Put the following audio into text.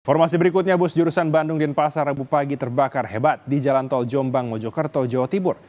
informasi berikutnya bus jurusan bandung denpasar rabu pagi terbakar hebat di jalan tol jombang mojokerto jawa timur